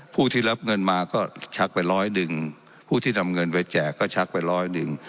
ผู้ที่รับเงินมาก็ชักไปร้อยหนึ่งผู้ที่นำเงินไปแจกก็ชักไปร้อยหนึ่ง